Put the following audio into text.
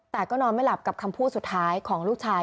แต่ก็นอนไม่หลับกับคำพูดสุดท้ายของลูกชาย